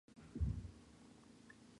音を立てながら燃え続けていた